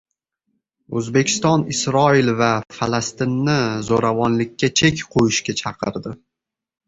O‘zbekiston Isroil va Falastinni zo‘ravonlikka chek qo‘yishga chaqirdi